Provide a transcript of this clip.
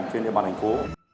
trên địa bàn thành phố